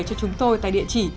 cho chúng tôi tại địa chỉ